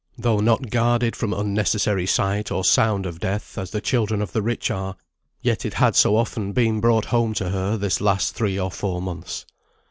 Though not guarded from unnecessary sight or sound of death, as the children of the rich are, yet it had so often been brought home to her this last three or four months.